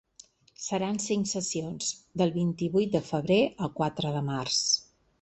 Seran cinc sessions, del vint-i-vuit de febrer al quatre de març.